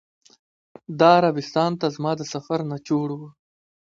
دا عربستان ته زما د سفر نچوړ و.